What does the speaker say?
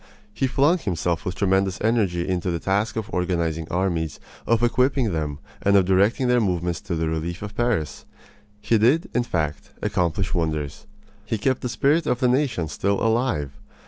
He flung himself with tremendous energy into the task of organizing armies, of equipping them, and of directing their movements for the relief of Paris. He did, in fact, accomplish wonders. He kept the spirit of the nation still alive.